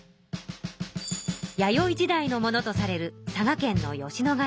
弥生時代のものとされる佐賀県の吉野ヶ里遺跡。